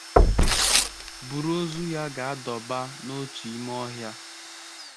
buru ozu ya ga dọba n'otu ime ọhịa.